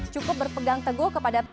cukup berpegang teguh kepada